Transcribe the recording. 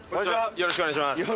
よろしくお願いします。